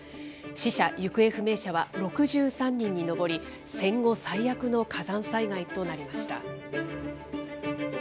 死者・行方不明者は６３人に上り、戦後最悪の火山災害となりました。